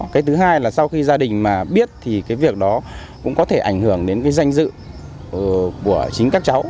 cái thứ hai là sau khi gia đình biết thì việc đó cũng có thể ảnh hưởng đến danh dự của chính các cháu